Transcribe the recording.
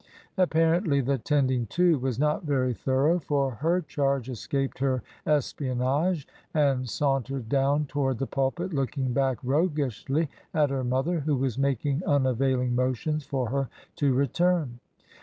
Apparently the '' tending to " was not very thorough, for her charge escaped her espionage, and saun tered down toward the pulpit, looking back roguishly at her mother, who was making unavailing motions for her to return.